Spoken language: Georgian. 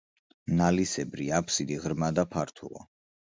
ნალისებრი აფსიდი ღრმა და ფართოა.